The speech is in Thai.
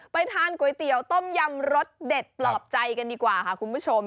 ไปทานก๋วยเตี๋ยวต้มยำรสเด็ดปลอบใจกันดีกว่าค่ะคุณผู้ชม